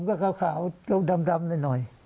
ก็ขาวดำหน่อย